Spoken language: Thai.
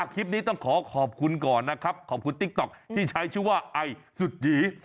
คลิปนี้ต้องขอขอบคุณก่อนนะครับขอบคุณติ๊กต๊อกที่ใช้ชื่อว่าไอสุดหยี